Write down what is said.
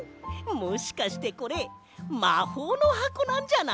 もしかしてこれまほうのはこなんじゃない？